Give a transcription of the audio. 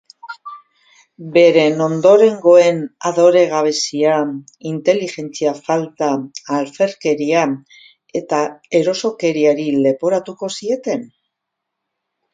Beren ondorengoen adoregabezia, inteligentzia falta, alferkeria eta erosokeriari leporatuko zieten?